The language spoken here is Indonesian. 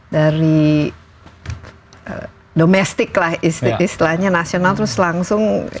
dari domestic lah istilahnya national terus langsung